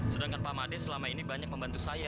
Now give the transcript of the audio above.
sedangkan pak made selama ini banyak membantu saya